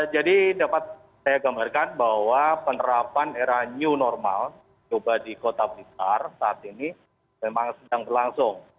jadi dapat saya gambarkan bahwa penerapan era new normal di kota blitar saat ini memang sedang berlangsung